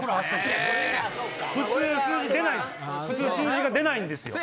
普通数字が出ないんですよ。